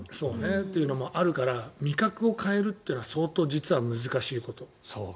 というのもあるから味覚を変えるっていうのは相当、実は難しいこと。